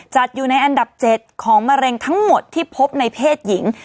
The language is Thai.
จัดอยู่ในอันดับ๗ของมะเร็งทั้งหมดที่พบในเพศหญิง